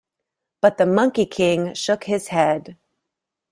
But the Monkey King shook his head.